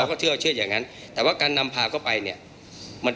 มีการที่จะพยายามติดศิลป์บ่นเจ้าพระงานนะครับ